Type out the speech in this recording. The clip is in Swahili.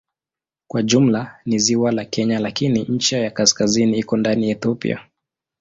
Kwa jumla ni ziwa la Kenya lakini ncha ya kaskazini iko ndani ya Ethiopia.